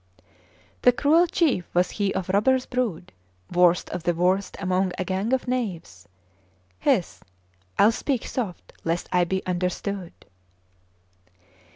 The cruel chief was he of robbers' brood, Worst of the worst among a gang of knaves; Hist! I'll speak soft lest I be understood!